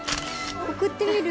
送ってみる。